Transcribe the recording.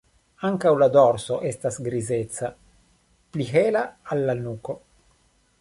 Ankaŭ la dorso estas grizeca, pli hela al la nuko.